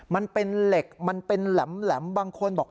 มันเป็นเหล็กมันเป็นแหลมบางคนบอก